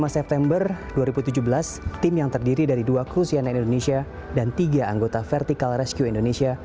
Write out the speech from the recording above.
lima september dua ribu tujuh belas tim yang terdiri dari dua krusian indonesia dan tiga anggota vertical rescue indonesia